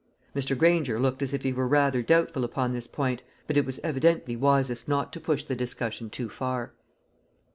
Mr. Granger looked as if he were rather doubtful upon this point, but it was evidently wisest not to push the discussion too far.